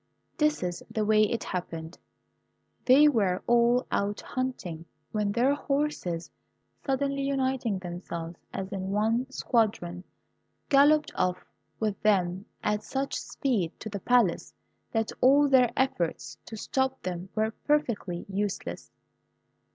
This is the way it happened. They were all out hunting, when their horses, suddenly uniting themselves as in one squadron, galloped off with them at such speed to the Palace that all their efforts to stop them were perfectly useless.